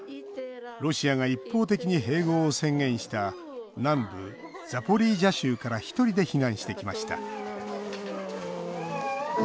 ロシアが一方的に併合を宣言した南部ザポリージャ州から１人で避難してきました。